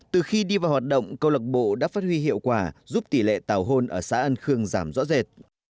từ khi đi vào hoạt động câu lạc bộ đã phát huy hiệu quả giúp tỷ lệ tàu hôn ở xã an khương giảm rõ rệt